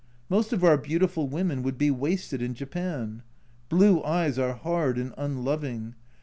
Most of our beautiful women would be wasted in Japan. Blue eyes are hard and unloving